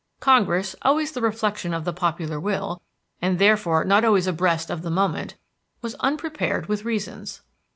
Congress, always the reflection of the popular will, and therefore not always abreast of the moment, was unprepared with reasons.